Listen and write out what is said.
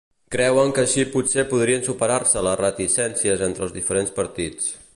Creuen que així potser podrien superar-se les reticències entre els diferents partits.